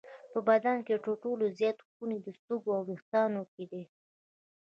په بدن کې تر ټولو زیات خونې د سږو په وېښتانو کې دي.